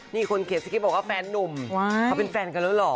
นี่คนเขียนสคริปบอกว่าแฟนนุ่มเขาเป็นแฟนกันแล้วเหรอ